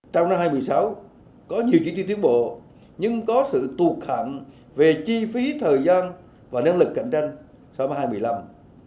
trong năm hai nghìn một mươi sáu có nhiều chi tiết tiến bộ nhưng có sự tuột hạm về chi phí thời gian và năng lực cạnh tranh so với hai nghìn một mươi năm